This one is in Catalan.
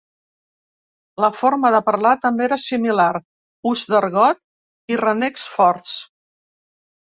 La forma de parlar també era similar: ús d'argot i renecs forts.